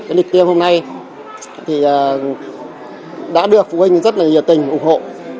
cái lịch tiêu hôm nay thì đã được phụ huynh rất là nhiệt tình ủng hộ